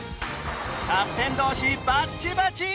キャプテン同士バッチバチ！